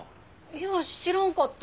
いや知らんかった。